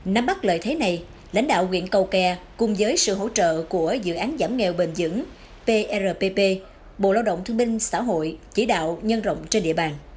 nắm bắt lợi thế này lãnh đạo quyện cầu kè cùng với sự hỗ trợ của dự án giảm nghèo bền dững prpp bộ lao động thương minh xã hội chỉ đạo nhân rộng trên địa bàn